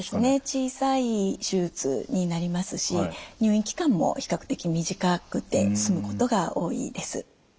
小さい手術になりますし入院期間も比較的短くて済むことが多いです。